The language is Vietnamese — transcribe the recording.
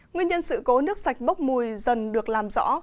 nguyên nhân sự cố nước sạch bốc mùi dần được làm rõ